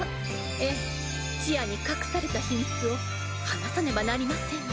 ええちあに隠された秘密を話さねばなりませんね。